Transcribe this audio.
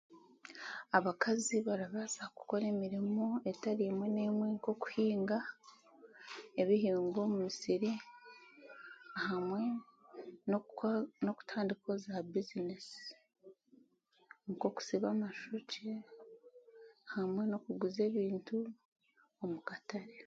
Abakaazi barabaasa kukora emirimo etari emwe n'emwe nk'okuhinga ebihingwa omumisiri hamwe n'okutandikaho za bizinesi nk'okusiba amashokye hamwe n'okuguza ebintu omu katare.